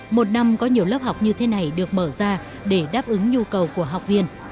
một năm có nhiều lớp học như thế này được mở ra để đáp ứng nhu cầu của học viên